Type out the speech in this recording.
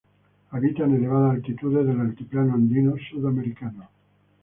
Habita en elevadas altitudes del altiplano andino sudamericano.